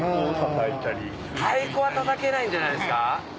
太鼓は叩けないんじゃないんですか？